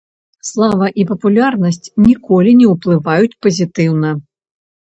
Слава і папулярнасць ніколі не ўплываюць пазітыўна.